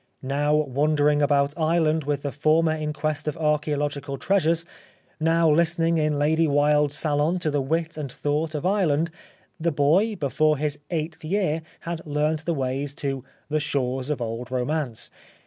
Now wandering about Ireland with the former in quest of archaeological treasures, now listening in Lady Wilde's salon to the wit and thought of Ireland, the boy, before his eighth year had learnt the ways to ' the shores of old romance.'